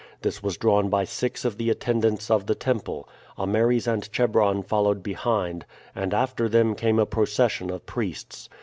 This was drawn by six of the attendants of the temple; Ameres and Chebron followed behind, and after them came a procession of priests.